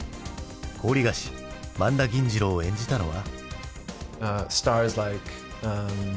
高利貸し萬田銀次郎を演じたのは。